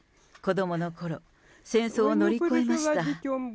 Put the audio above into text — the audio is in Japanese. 子どものころ、戦争を乗り越えました。